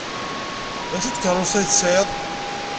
D acu n tkeṛṛust ay tesɛid?